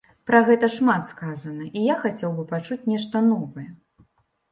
Пра гэта шмат сказана, і я хацеў бы пачуць нешта новае.